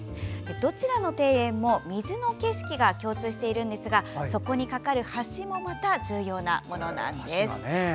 どちらの庭園も水の景色が共通しているんですがそこに架かる橋もまた重要なものなんです。